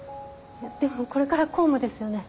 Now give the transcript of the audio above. でもこれから公務ですよね。